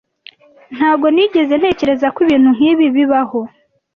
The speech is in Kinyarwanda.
Ntago nigeze ntekereza ko ibintu nkibi bibaho